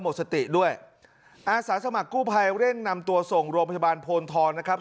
หมดสติด้วยอาสาสมัครกู้ภัยเร่งนำตัวส่งโรงพยาบาลโพนทองนะครับ